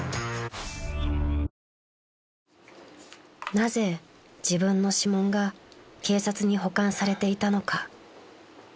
［なぜ自分の指紋が警察に保管されていたのか］